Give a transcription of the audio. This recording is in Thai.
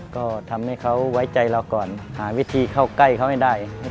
ก็ทำให้เขาไว้ใจเราก่อนหาวิธีเข้าใกล้เขาให้ได้